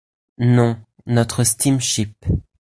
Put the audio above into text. Non, notre steam-ship.